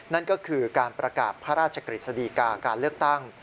นั่นก็คือการประกาศพระราชกฤษฎีกาการเลือกตั้ง